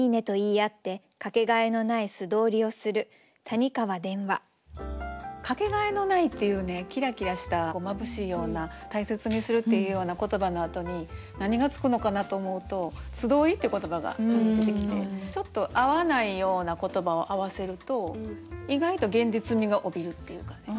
江戸さんのテーマ「かけがえのない」っていうねキラキラしたまぶしいような大切にするっていうような言葉のあとに何がつくのかなと思うと「素通り」って言葉が出てきてちょっと合わないような言葉を合わせると意外と現実味が帯びるっていうかね。